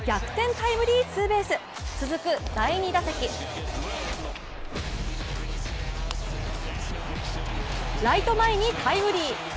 タイムリーツーベース続く第２打席ライト前にタイムリー。